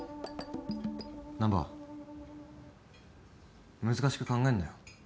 難破難しく考えんなよ。